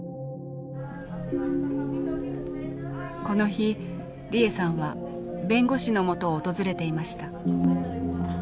この日利枝さんは弁護士のもとを訪れていました。